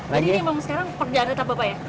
jadi ini sekarang pekerjaan tetap bapak ya